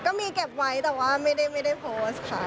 ก็มีเก็บไว้แต่ว่าไม่ได้โพสต์ค่ะ